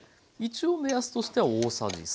一応目安としては大さじ３。